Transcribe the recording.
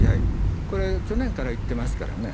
これ、去年から言ってますからね。